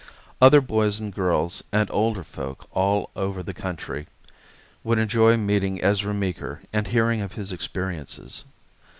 Other boys and girls and older folk all over the country would enjoy meeting Ezra Meeker and hearing of his experiences.